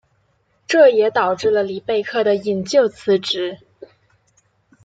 这也导致了里贝克的引咎辞职。